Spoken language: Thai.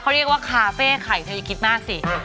เขาเรียกว่าคาเฟ่ไข่เธออย่าคิดมากสิ